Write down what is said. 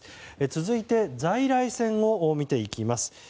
続いて、在来線を見ていきます。